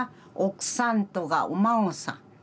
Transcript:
奥さんとかお孫さん